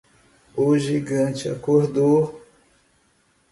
O gigante acordou